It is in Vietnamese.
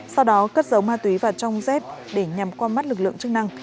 sau đó cất dấu ma túy vào trong dép để nhằm qua mắt lực lượng chức năng